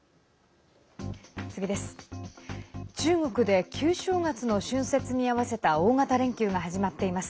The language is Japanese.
次です。